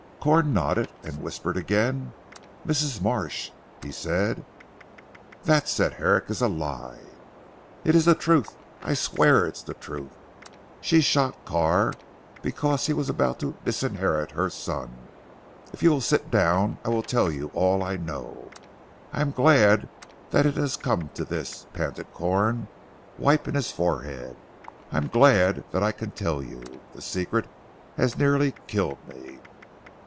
Corn nodded and whispered again, "Mrs. Marsh," he said. "That," said Herrick, "is a lie." "It is the truth; I swear it is the truth. She shot Carr because he was about to disinherit her son. If you will sit down I will tell you all I know. I am glad that it has come to this," panted Corn wiping his forehead, "I am glad that I can tell you. The secret has nearly killed me."